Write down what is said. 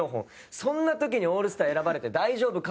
そんな時にオールスター選ばれて大丈夫か？